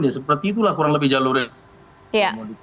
ya seperti itulah kurang lebih jalurnya